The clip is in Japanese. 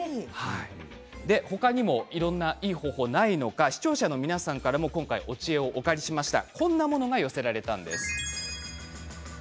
他にもいろんないい方法がないのか視聴者の皆さんからも今回、お知恵をお借りしました。